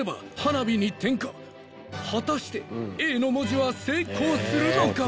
未燭靴「Ａ」の文字は成功するのか？